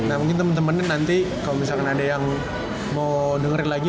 nah mungkin temen temenin nanti kalau misalkan ada yang mau dengerin lagi